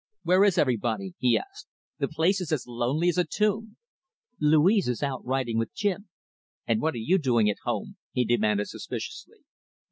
"Where is everybody?" he asked. "The place is as lonely as a tomb." "Louise is out riding with Jim." "And what are you doing at home?" he demanded suspiciously.